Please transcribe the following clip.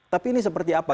tapi ini seperti apa